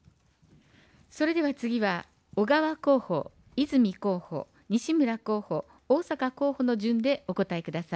それでは次は、小川候補、泉候補、西村候補、逢坂候補の順でお答えください。